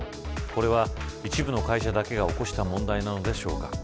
これは、一部の会社だけが起こした問題なのでしょうか。